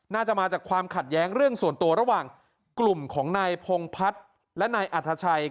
น่าจะมาจากความขัดแย้งเรื่องส่วนตัวระหว่างกลุ่มของนายพงพัฒน์และนายอัธชัย